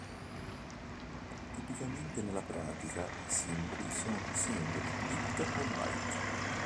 Tipicamente nella pratica, i simboli sono singoli bit o byte.